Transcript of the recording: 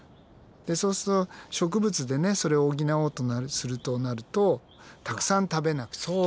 でそうすると植物でねそれを補おうとするとなるとたくさん食べなくちゃいけない。